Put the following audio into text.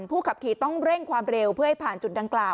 ผู้ขับขี่ต้องเร่งความเร็วเพื่อให้ผ่านจุดดังกล่าว